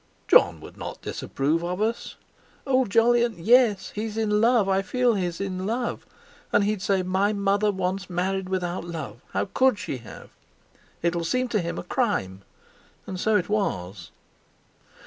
"Jon would not disapprove of us!" "Oh! Jolyon, yes. He's in love, I feel he's in love. And he'd say: 'My mother once married without love! How could she have!' It'll seem to him a crime! And so it was!"